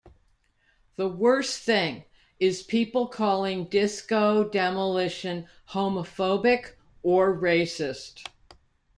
The worst thing is people calling Disco Demolition homophobic or racist.